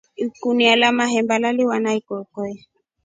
Ikunia la mahemba laliwa na ikokoi.